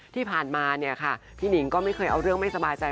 ที่ผ่านมาเนี่ยค่ะพี่หนิงก็ไม่เคยเอาเรื่องไม่สบายใจ